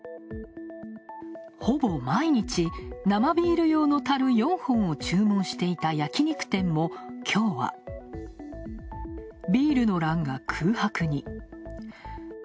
ほぼ毎日、生ビール用のたる４本を注文していた焼き肉店も、きょうはビールの欄が空白に。